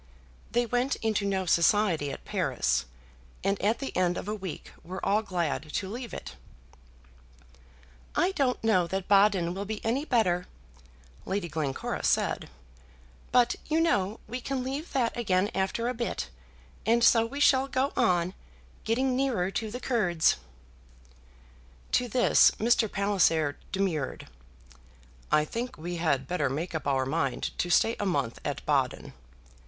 They went into no society at Paris, and at the end of a week were all glad to leave it. "I don't know that Baden will be any better," Lady Glencora said; "but, you know, we can leave that again after a bit, and so we shall go on getting nearer to the Kurds." To this, Mr. Palliser demurred. "I think we had better make up our mind to stay a month at Baden."